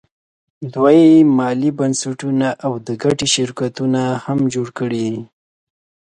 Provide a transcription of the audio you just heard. دوی مالي بنسټونه او د ګټې شرکتونه هم جوړ کړي دي